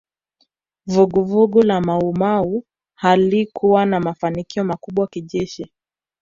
Vuguvugu la Maumau halikuwa na mafanikio makubwa kijeshi